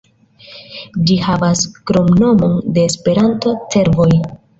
Ĝi havas kromnomon de Esperanto, "Cervoj".